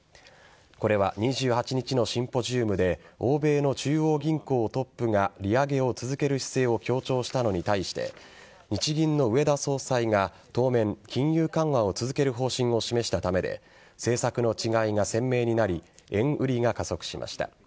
これは２８日のシンポジウムで欧米の中央銀行トップが利上げを続ける姿勢を強調したのに対して日銀の植田総裁が当面、金融緩和を続ける方針を示したためで政策の違いが鮮明になり円売りが加速しました。